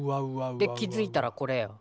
で気づいたらこれよ。